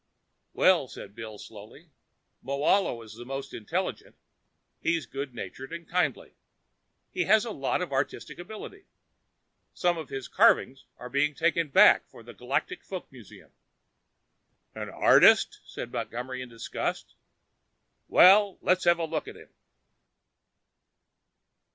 "Well," said Bill slowly, "Moahlo is the most intelligent. He's good natured and kindly. He has a lot of artistic ability. Some of his carvings are being taken back for the Galactic Folk Museum." "An artist!" said Montgomery in disgust. "Well, let's have a look at him."